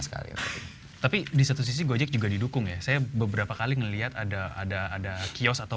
sekali tapi di satu sisi gojek juga didukung ya saya beberapa kali ngelihat ada ada kios atau